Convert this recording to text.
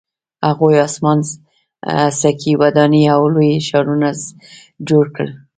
هغوی اسمان څکې ودانۍ او لوی ښارونه جوړ کړل